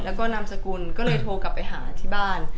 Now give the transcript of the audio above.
แล้วก็นามสกุลก็เลยโทรกลับไปหาที่บ้าน